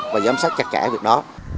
và giám sát chặt chẽ việc đó